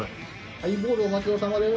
ハイボールお待ちどおさまです。